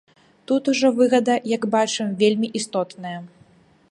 Тут ужо выгада, як бачым, вельмі істотная.